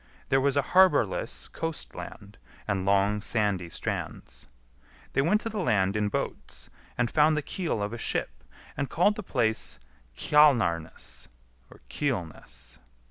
There was a harbourless coast land, and long sandy strands. They went to the land in boats, and found the keel of a ship, and called the place Kjalar nes (Keelness).